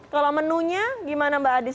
kalau menunya gimana mbak adis